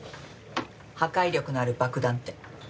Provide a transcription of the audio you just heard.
破壊力のある爆弾って。